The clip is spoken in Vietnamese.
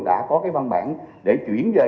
đã có cái văn bản để chuyển về